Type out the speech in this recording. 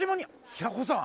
平子さん